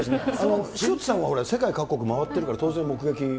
潮田さんは世界各国回ってるから、当然目撃。